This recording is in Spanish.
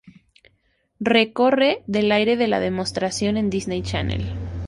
Re-corre del aire de la demostración en Disney Channel.